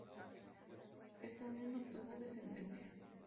Esta unión no tuvo descendencia.